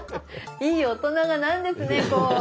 いい大人がなるんですねこう。